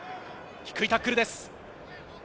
低いタックルです。